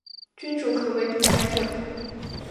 君主可为独裁者。